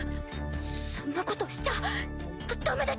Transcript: そんなことしちゃダダメです。